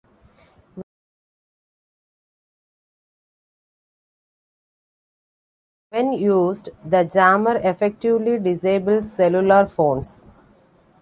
When used, the jammer effectively disables cellular phones.